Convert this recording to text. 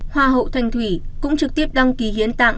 hoa hậu thanh thủy cũng trực tiếp đăng ký hiến tạng